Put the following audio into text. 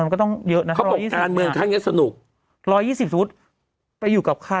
มันก็ต้องเยอะนะมันมันใชท่านมือค้าเยอะสนุกร้อยยี่สิบ